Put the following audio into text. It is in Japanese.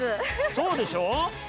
そうでしょ。